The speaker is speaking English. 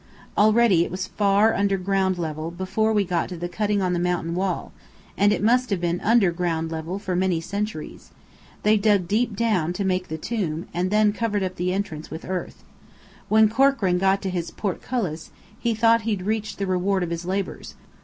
Already it was far under ground level, before we got to the cutting on the mountain wall, and it must have been under ground level for many centuries. They dug deep down, to make the tomb, and then covered up the entrance with earth. When Corkran got to his portcullis, he thought he'd reached the reward of his labours.